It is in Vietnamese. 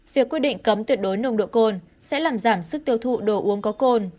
việc quyết định cấm tuyệt đối nồng độ cồn sẽ làm giảm sức tiêu thụ đồ uống có cồn